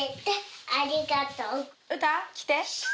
うた来て！